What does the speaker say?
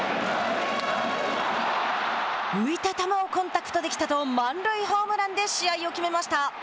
浮いた球をコンタクトできたと満塁ホームランで試合を決めました。